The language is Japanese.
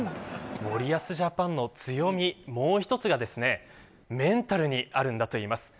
森保ジャパンの強み、もう一つがメンタルにあるんだといいます。